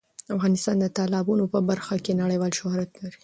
افغانستان د تالابونو په برخه کې نړیوال شهرت لري.